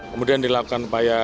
kemudian dilakukan upaya